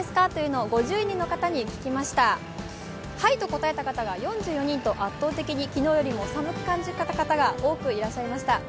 はいと答えた方が４４人と圧倒的に昨日よりも寒く感じた方が多くいらっしゃいました。